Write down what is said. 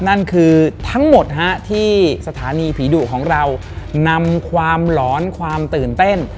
นั่นคือทั้งหมดที่สถานีผีดุของเรานำความหลอนความตื่นเต้น